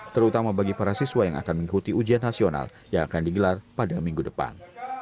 terutama bagi para siswa yang akan mengikuti ujian nasional yang akan digelar pada minggu depan